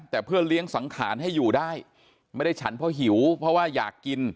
แต่เพื่อเลี้ยงสังขารให้อยู่ได้ไม่ได้ฉันเพราะหิวเพราะว่าอยากกิน